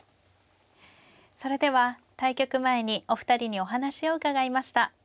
それでは対局前にお二人にお話を伺いました。